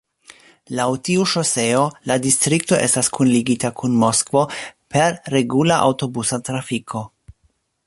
Laŭ tiu ŝoseo la distrikto estas kunligita kun Moskvo per regula aŭtobusa trafiko.